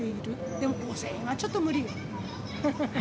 でも、５０００円はちょっと無理。